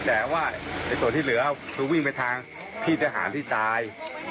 แต่ว่าในส่วนที่เหลือคือวิ่งไปทางพี่ทหารที่ตาย